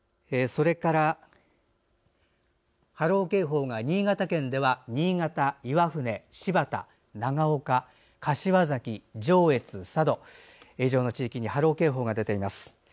それから波浪警報が新潟県では新潟、岩船、新発田長岡、柏崎、上越、佐渡以上の地域に波浪警報が出ています。